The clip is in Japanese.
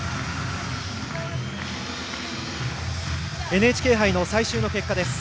ＮＨＫ杯の最終の結果です。